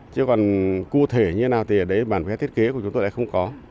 chứ còn cụ thể như thế nào thì ở đấy bản phép thiết kế của chúng tôi lại không có